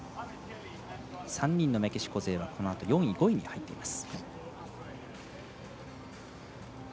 ３人のメキシコ勢はこのあと４位、５位に入っています。